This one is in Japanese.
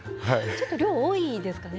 ちょっと量多いですかね。